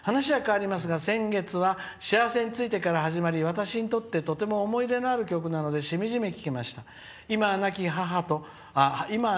話は変わりますが、先月は「しあわせについて」から始まりとても思い入れのある曲なのでしみじみ聴きました